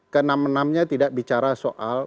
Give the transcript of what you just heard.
kenam enamnya tidak bicara soal